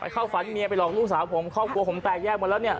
ไปเข้าฝันเมียไปหลอกลูกสาวผมเข้าเกลียร์แยกแยกมาแล้วเนี่ย